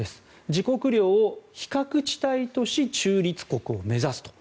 自国領を非核地帯とし中立国を目指すと。